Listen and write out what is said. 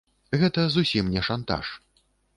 Гэта зусім не шантаж.